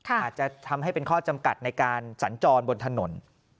อาจจะทำให้เป็นข้อจำกัดในการสัญจรบนถนน